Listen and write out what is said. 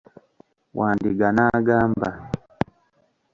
Wandiga n'agamba.